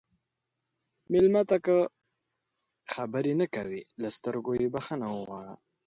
مېلمه ته که خبرې نه کوي، له سترګو یې بخښنه وغواړه.